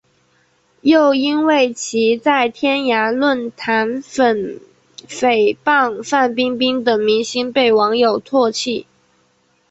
又因为其在天涯论坛诽谤范冰冰等明星被网友唾弃。